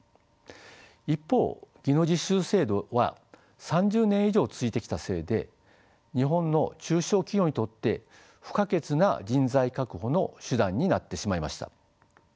一方技能実習制度は３０年以上続いてきたせいで日本の中小企業にとって不可欠な人材確保の手段になってしまいました。